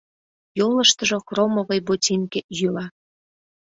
Йолыштыжо хромовый ботинке йӱла.